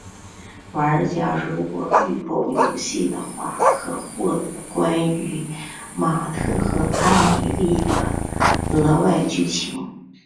玩家如果预购游戏的话可获得关于马特和艾蜜莉的额外剧情。